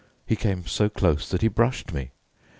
He came so close that he brushed me.